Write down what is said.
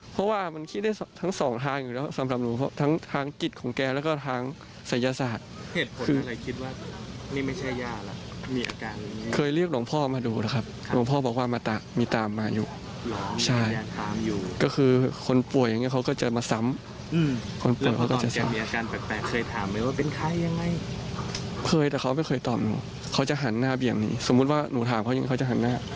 ขออยากเตล้อนการตอบหนูเขาจะหันหน้าเพียงที่นี่สมมุติว่าหนูถามกันเค้าจะหันน่า